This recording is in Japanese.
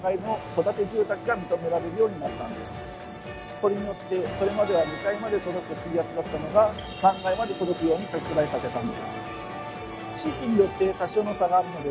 これによってそれまでは２階まで届く水圧だったのが３階まで届くように拡大させたんです。